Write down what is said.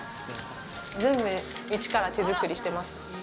全部、一から手づくりしてます。